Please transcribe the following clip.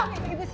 gak ada tintan